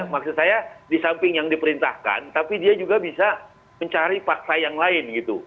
maksud saya di samping yang diperintahkan tapi dia juga bisa mencari fakta yang lain gitu